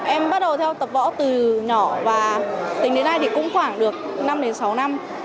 em bắt đầu theo tập võ từ nhỏ và tính đến nay cũng khoảng được năm sáu năm